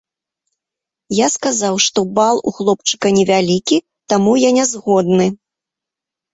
Я сказаў, што бал у хлопчыка невялікі, таму я не згодны.